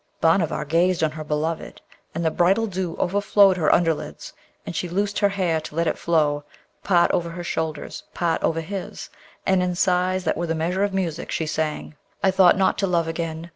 Bhanavar gazed on her beloved, and the bridal dew overflowed her underlids, and she loosed her hair to let it flow, part over her shoulders, part over his, and in sighs that were the measure of music she sang: I thought not to love again!